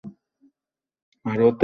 ওকে থামাতে হবে তোমাকে।